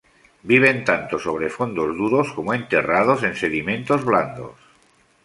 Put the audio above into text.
Viven tanto sobre fondos duros como enterrados en sedimentos blandos.